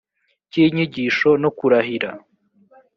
cy inyigisho no kurahira